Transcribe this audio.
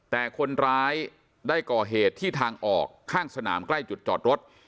แต่คนร้ายได้ก่อเหตุที่ทางออกข้างสนามใกล้จุดจอดรถ